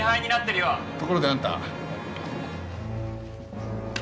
ところであんた。